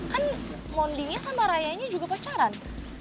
kan mondingnya sama rayanya juga pacaran